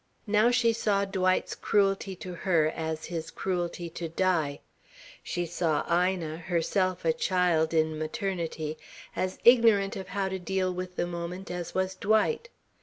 Now she saw Dwight's cruelty to her as his cruelty to Di; she saw Ina, herself a child in maternity, as ignorant of how to deal with the moment as was Dwight.